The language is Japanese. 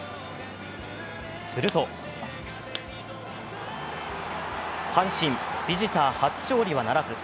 すると阪神、ビジター初勝利はならず。